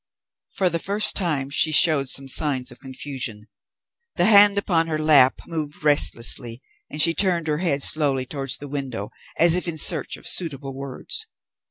For the first time she showed some signs of confusion. The hand upon her lap moved restlessly and she turned her head slowly towards the window as if in search of suitable words.